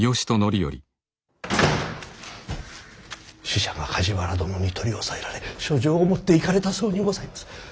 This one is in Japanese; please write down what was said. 使者が梶原殿に取り押さえられ書状を持っていかれたそうにございます。